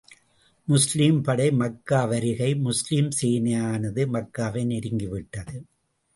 முஸ்லிம் படை மக்கா வருகை முஸ்லிம் சேனையானது மக்காவை நெருங்கி விட்டது.